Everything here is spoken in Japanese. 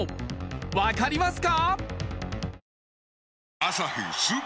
わかりますか？